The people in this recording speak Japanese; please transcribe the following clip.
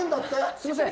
すいません。